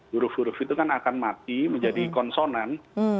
huruf huruf itu kan akan mati menjadi konsonan